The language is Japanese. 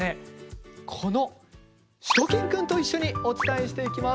このしゅと犬くんと一緒にお伝えしていきます。